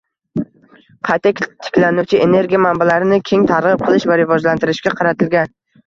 qayta tiklanuvchi energiya manbalarini keng targ‘ib qilish va rivojlantirishga qaratilgan